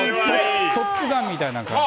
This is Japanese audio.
「トップガン」みたいな感じ。